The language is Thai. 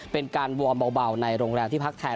เป็นการวอร์มเบาในโรงแรมที่พักแทน